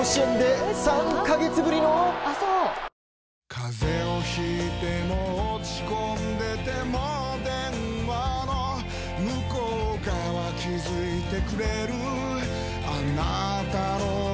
風邪を引いても落ち込んでても電話の向こう側気付いてくれるあなたの声